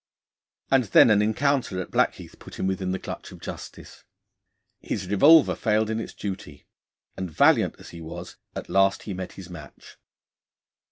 And then an encounter at Blackheath put him within the clutch of justice. His revolver failed in its duty, and, valiant as he was, at last he met his match.